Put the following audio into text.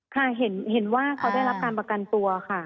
ค่ะเห็นว่าเขาได้รับการประกันตัวค่ะ